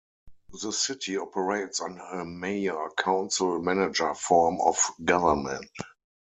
The City operates under a Mayor-Council-Manager form of government.